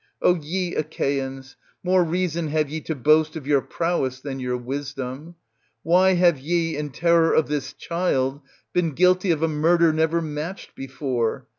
O ye Achaeans, more reason have ye to boast of your prowess than your wisdom ! Why have ye in terror of this child been guilty of a murder never matched before